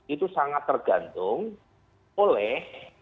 itu sangat tergantung oleh